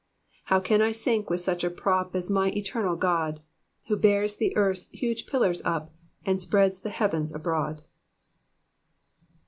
" How can I sink with such a prop As my eterual God, Who bears the earth's hujre pillars up. And spreads the heavens abroad.